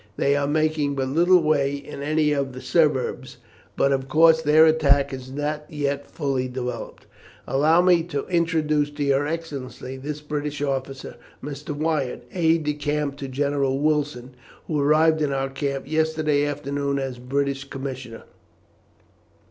They are making but little way in any of the suburbs, but of course their attack is not yet fully developed." "Allow me to introduce to your Excellency this British officer, Mr. Wyatt, aide de camp to General Wilson, who arrived in our camp yesterday afternoon as British commissioner."